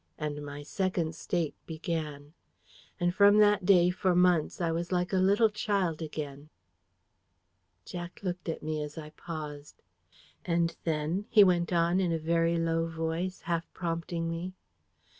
And my Second State began. And from that day, for months, I was like a little child again." Jack looked at me as I paused. "And then?" he went on in a very low voice, half prompting me.